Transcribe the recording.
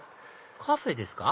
カフェですか？